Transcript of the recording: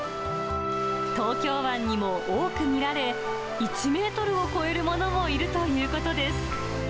東京湾にも多く見られ、１メートルを超えるものもいるということです。